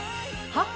「はっ？」